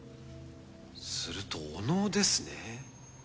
するとお能ですね。